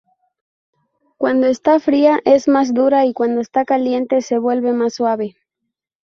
Cuando está fría, es más dura y cuando está caliente se vuelve más suave.